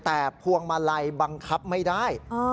แต่พวงมาลัยบังคับไม่ได้